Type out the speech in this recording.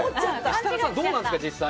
設楽さん、どうなんですか実際。